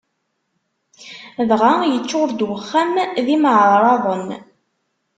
Dɣa yeččuṛ-d uxxam d imeɛraḍen.